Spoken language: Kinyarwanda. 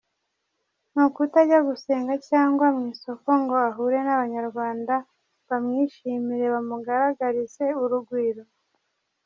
Ni ukutajya gusenga cyangwa mu isoko ngo ahure n’abanyarwanda bamwishimiye bamugaragarize urugwiro?